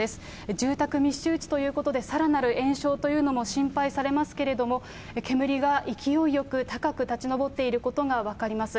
住宅密集地ということで、さらなる延焼というのも心配されますけれども、煙が勢いよく高く立ち上っていることが分かります。